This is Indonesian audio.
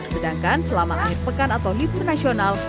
sedangkan selama akhir pekan atau libur nasional